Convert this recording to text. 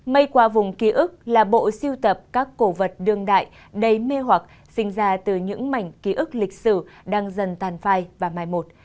mây qua vùng ký ức là bộ siêu tập các cổ vật đương đại đầy mê hoặc sinh ra từ những mảnh ký ức lịch sử đang dần tàn phai và mai một